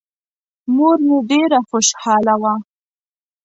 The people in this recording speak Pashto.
مور مې ډېره خوشحاله وه.